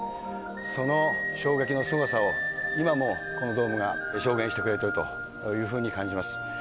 その衝撃のすごさを今もこのドームが証言してくれてるというふうに感じます。